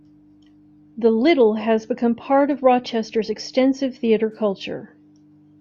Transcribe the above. The Little has become part of Rochester's extensive theater culture.